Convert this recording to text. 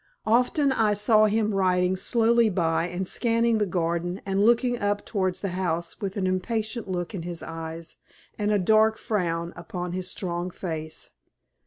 Often I saw him riding slowly by and scanning the garden and looking up towards the house with an impatient look in his eyes and a dark frown upon his strong face.